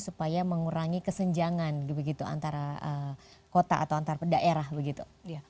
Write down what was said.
supaya mengurangi kesenjangan begitu antara kota atau antar daerah begitu